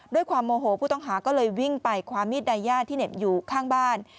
ด้วยความโมโหผู้ต้องหาก็เลยวิ่งไปความมีดไดย่าที่เหน็บอยู่ข้างบ้าน